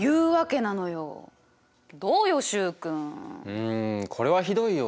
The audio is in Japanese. うんこれはひどいよ。